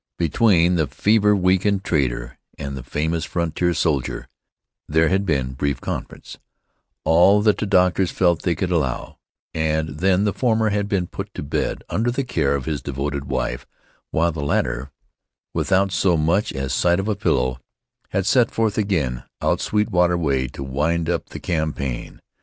Between the fever weakened trader and the famous frontier soldier there had been brief conference all that the doctors felt they could allow and then the former had been put to bed under the care of his devoted wife, while the latter, without so much as sight of a pillow, had set forth again out Sweetwater way to wind up the campaign.